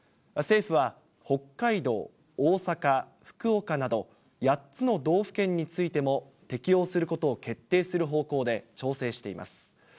政府は北海道、大阪、福岡など、８つの道府県についても適用することを決定する方向で調整しています。